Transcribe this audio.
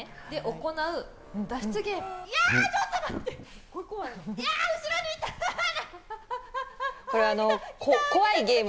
行う脱出ゲーム。